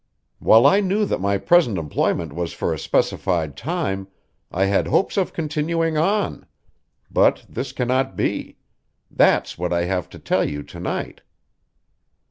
While I knew that my present employment was for a specified time, I had hopes of continuing on. But this cannot be. That's what I have to tell you to night.